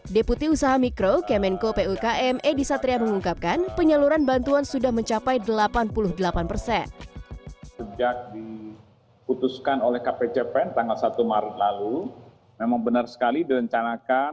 deputi usaha mikro kemenko pukm edi satria mengungkapkan penyaluran bantuan sudah mencapai delapan puluh delapan persen